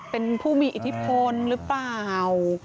เป็นผู้มีอิทธิพลหรือเปล่า